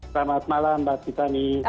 selamat malam mbak titani